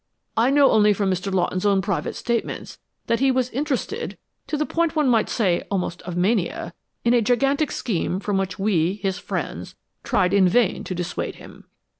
I know only from Mr. Lawton's own private statements that he was interested, to the point one might almost say of mania, in a gigantic scheme from which we, his friends, tried in vain to dissuade him.